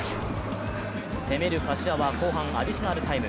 攻める柏は後半アディショナルタイム。